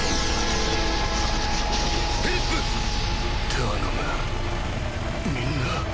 頼むみんな。